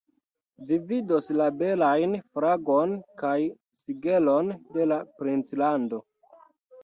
Vi vidos la belajn flagon kaj sigelon de la princlando.